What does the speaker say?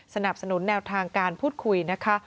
สนับสนุนแนวทางการพูดคุยนะคะ